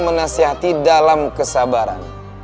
menasehati dalam kesabaran